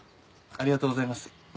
ありがとうございます。